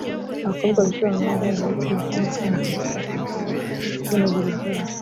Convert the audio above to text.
abakobwa bishora mu mibonano mpuzabitsina itanakingiye batatekereje ku kuboneza urubyaro